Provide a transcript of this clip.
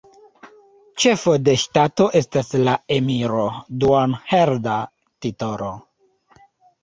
Ĉefo de ŝtato estas la Emiro, duon-hereda titolo.